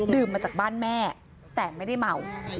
มาจากบ้านแม่แต่ไม่ได้เมา